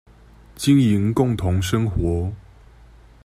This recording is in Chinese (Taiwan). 經營共同生活